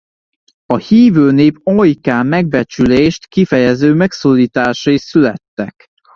A hívő nép ajkán megbecsülést kifejező megszólításai születtek.